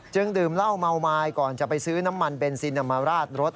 ดื่มเหล้าเมาไม้ก่อนจะไปซื้อน้ำมันเบนซินมาราดรถ